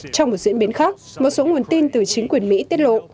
trong một diễn biến khác một số nguồn tin từ chính quyền mỹ tiết lộ